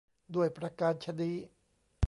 ด้วยประการฉะนี้